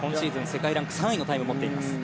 世界ランク３位のタイムを持っています。